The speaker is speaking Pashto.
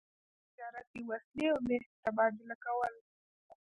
په دې تجارت کې وسلې او مهت تبادله کول.